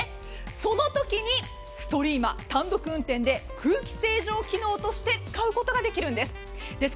その時にストリーマ単独運転で空気清浄機能として使うことができるんです。